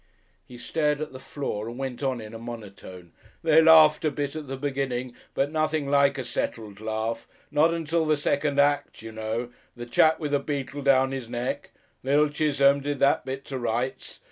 He stared at the floor and went on in a monotone. "They laughed a bit at the beginning but nothing like a settled laugh not until the second act you know the chap with the beetle down his neck. Little Chisholme did that bit to rights.